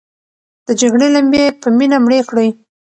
د جګړې لمبې په مینه مړې کړئ.